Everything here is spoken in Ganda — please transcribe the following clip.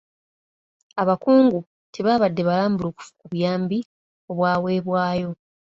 Abakungu tebaabadde balambulukufu ku buyambi obwaweebwayo.